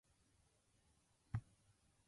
ショーシャンクの空に